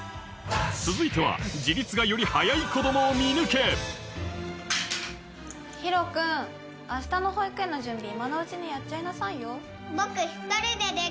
続いてはヒロ君明日の保育園の準備今のうちにやっちゃいなさいよ。